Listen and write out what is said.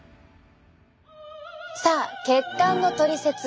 さあ血管のトリセツ。